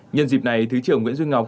nhân dịp này thứ trưởng nguyễn duy ngọc